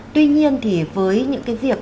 tuy nhiên thì với những cái việc